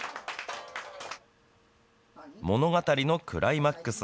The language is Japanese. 物語のクライマックス。